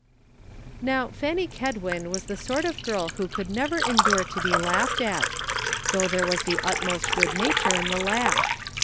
Now Fanny Kedwin was the sort of girl who could never endure to be laughed at, though there was the utmost good nature in the laugh.